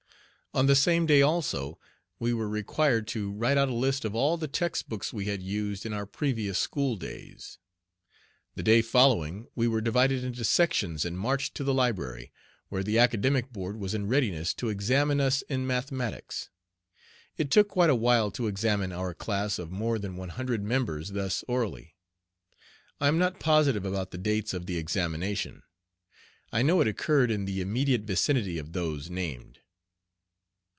On the same day, also, we were required to write out a list of all the textbooks we had used in our previous school days. The day following we were divided into sections and marched to the library, where the Academic Board was in readiness to examine us in mathematics. It took quite a while to examine our class of more than one hundred members thus orally. I am not positive about the dates of the examination. I know it occurred in the immediate vicinity of those named.